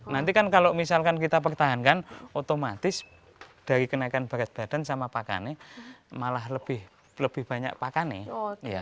nanti kan kalau misalkan kita pertahankan otomatis dari kenaikan berat badan sama pakannya malah lebih banyak pakannya